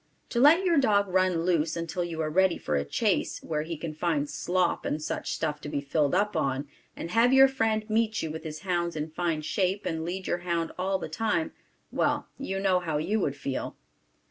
To let your dog run loose until you are ready for a chase, where he can find slop and such stuff to be filled up on, and have your friend meet you with his hounds in fine shape and lead your hound all the time, well you know how you would feel.